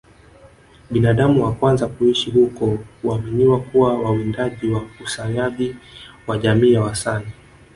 Binadamu wa kwanza kuishi huko huaminiwa kuwa wawindaji wakusanyaji wa jamii ya Wasani